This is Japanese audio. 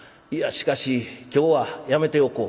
しかし今日はやめておこう」。